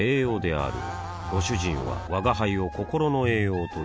あぁご主人は吾輩を心の栄養という